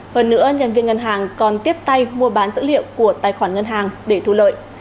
hơn nữa nhân viên ngân hàng còn tiếp tay mua bán dữ liệu của tài khoản ngân hàng để thu lợi